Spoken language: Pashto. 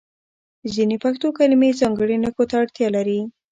ځینې پښتو کلمې ځانګړي نښو ته اړتیا لري.